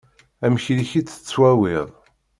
Am tili-k i tt-tettawiḍ.